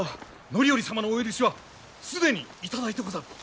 範頼様のお許しは既に頂いてござる。